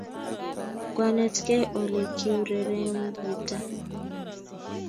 kwanetkei ole kiurereni gitaa